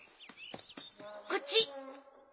こっち。